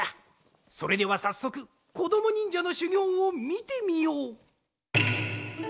それではさっそくこどもにんじゃのしゅぎょうをみてみよう！